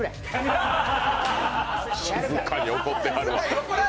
静かに怒ってはるわ。